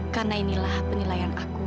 karena inilah penilaian aku